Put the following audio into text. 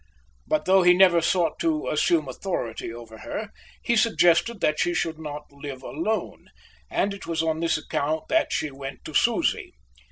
But though he never sought to assume authority over her, he suggested that she should not live alone, and it was on this account that she went to Susie.